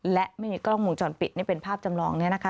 และไม่มีกล้องวงจรปิดนี่เป็นภาพจำลองนี้นะคะ